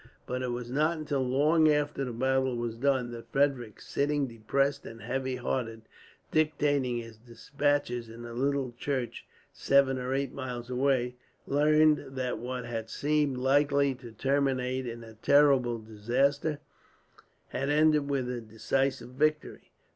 But it was not until long after the battle was done that Frederick, sitting depressed and heavy hearted, dictating his despatches in the little church seven or eight miles away, learned that what had seemed likely to terminate in a terrible disaster, had ended with a decisive victory.